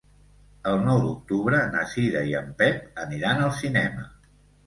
El nou d'octubre na Cira i en Pep aniran al cinema.